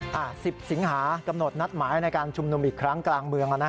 สิบสิงหากำหนดนัดหมายในการชุมนุมอีกครั้งกลางเมือง